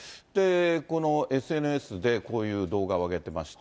このＳＮＳで、こういう動画を上げてまして。